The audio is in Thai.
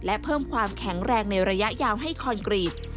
และเพิ่มความแข็งแรงในระยะยาวให้คอนกรีต